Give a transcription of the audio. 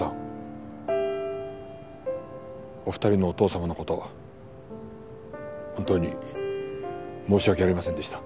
お二人のお父様の事本当に申し訳ありませんでした。